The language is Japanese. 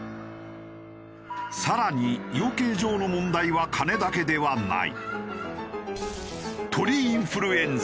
更に養鶏場の問題は金だけではない。